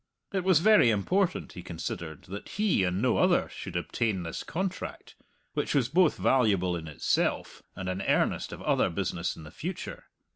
It was very important, he considered, that he, and no other, should obtain this contract, which was both valuable in itself and an earnest of other business in the future.